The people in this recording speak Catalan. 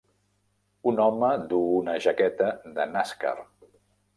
Un home duu una jaqueta de NASCAR.